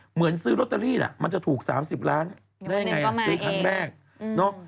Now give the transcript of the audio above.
เหมือนซื้อโรตเตอรี่ล่ะมันจะถูก๓๐ล้านได้อย่างไรเสียค่าแบบ